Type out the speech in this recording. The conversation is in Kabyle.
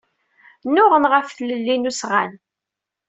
Nnuɣen ɣef tlelli n usɣan.